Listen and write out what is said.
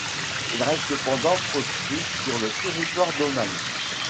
Il reste cependant proscrit sur le territoire d'Oman.